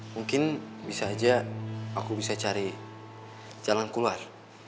mungkin bisa aja aku bisa cari jalan keluar